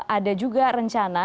ada juga rencana